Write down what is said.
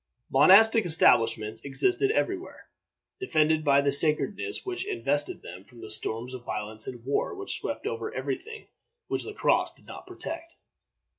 Monastic establishments existed every where, defended by the sacredness which invested them from the storms of violence and war which swept over every thing which the cross did not protect.